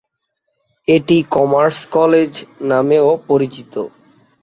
এটি "commerce college" নামেও পরিচিত।